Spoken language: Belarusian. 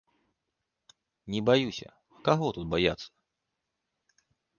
Не баюся, а каго тут баяцца?